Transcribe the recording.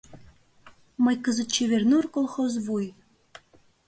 Мый кызыт «Чевернур» колхозвуй...